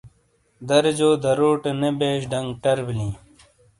درےجو راروٹے نے بیش ڈنگ ٹر بیلی۔